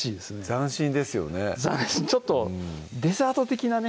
斬新ですよねちょっとデザート的なね